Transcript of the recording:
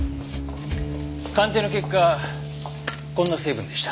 鑑定の結果こんな成分でした。